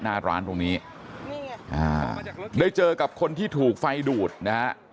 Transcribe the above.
หน้าร้านตรงนี้ได้เจอกับคนที่ถูกไฟดูดนะฮะ